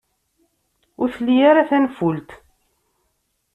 Ur tli ara tanfult.